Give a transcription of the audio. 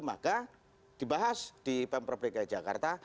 maka dibahas di pemprov dki jakarta